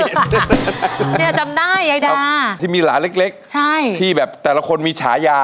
เพราะที่มีหลานเล็กที่แบบแต่ละคนมีชายา